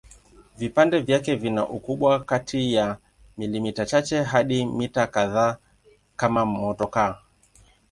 Vipande vyake vina ukubwa kati ya milimita chache hadi mita kadhaa kama motokaa.